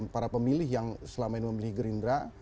para pemilih yang selama ini memilih gerindra